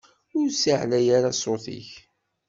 Ur ssiεlay ara ssut-ik!